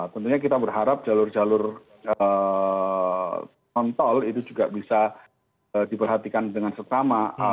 tentunya kita berharap jalur jalur kontrol itu juga bisa diperhatikan dengan serta sama